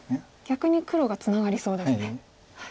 逆に黒がツナがりそうですね。